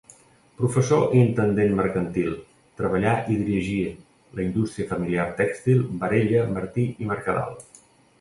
Professor i Intendent Mercantil, treballà i dirigí la indústria familiar tèxtil Barella Martí i Mercadal.